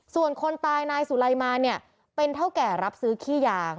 ส่วนคนตายนายสุไลมาเนี่ยเป็นเท่าแก่รับซื้อขี้ยาง